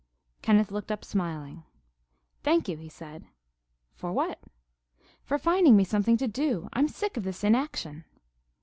Kenneth looked up smiling. "Thank you," he said. "For what?" "For finding me something to do. I'm sick of this inaction."